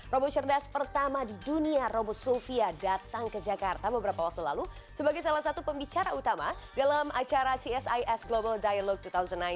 robo cerdas pertama di dunia robo sulvia datang ke jakarta beberapa waktu lalu sebagai salah satu pembicara utama dalam acara csis global dialogue dua ribu sembilan belas